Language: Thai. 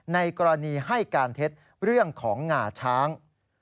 ในกรณีให้การเท็จเรื่องของงาช้าง